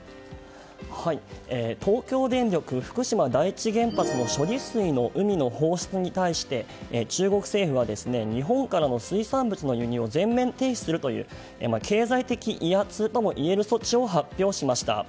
東京電力福島第一原発の処理水の海の放出に対して、中国政府は日本からの水産物の輸入を全面停止するという経済的威圧ともいえる措置を発表しました。